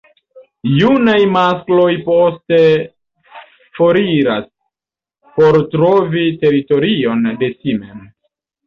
Junaj maskloj poste foriras por trovi teritorion de si mem.